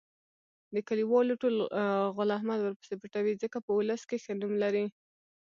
د کلیوالو ټول غول احمد ورپسې پټوي. ځکه په اولس کې ښه نوم لري.